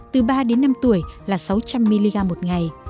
từ ba đến năm tuổi là sáu trăm linh mg một ngày